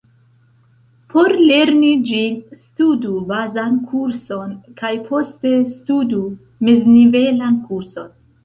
Por lerni ĝin, studu bazan kurson kaj poste studu mez-nivelan kurson.